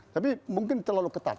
tapi mungkin terlalu ketat